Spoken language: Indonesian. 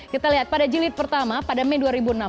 kita lihat pada jilid pertama pada mei dua ribu enam belas